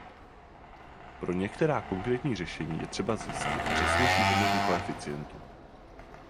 Pro některá konkrétní řešení je třeba zjistit přesnější hodnotu koeficientu.